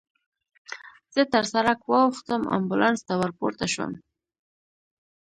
زه تر سړک واوښتم، امبولانس ته ورپورته شوم.